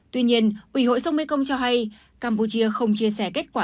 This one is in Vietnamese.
tuy nhiên ủy hội sông mê công cho hay campuchia không chia sẻ kết quả